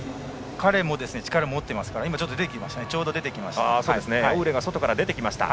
彼も力を持っているのでちょうど今、出てきましたね。